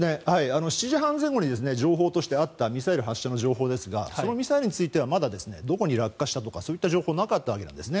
７時半前後に情報としてあったミサイル発射の情報ですがそのミサイルについてはまだどこに落下したとかそういう情報はなかったんですね。